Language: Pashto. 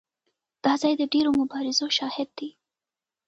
دا ځای د ډېرو مبارزو شاهد دی.